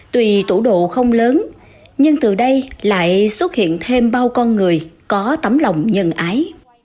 tùy tủ đồ không lớn nhưng từ đây lại xuất hiện thêm bao con người có tấm lòng nhân ái